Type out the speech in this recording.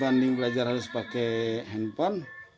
banding belajar harus pakai handphone